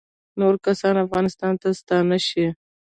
نور کسان افغانستان ته ستانه شي